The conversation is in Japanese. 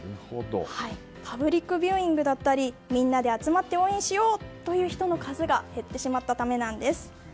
パブリックビューイングだったりみんなで集まって応援しようという人の数が減ってしまったためなんです。